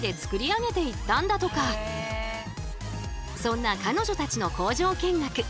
そんな彼女たちの工場見学。